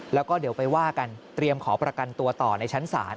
แล้วก็เดี๋ยวไปว่ากันเตรียมขอประกันตัวต่อในชั้นศาล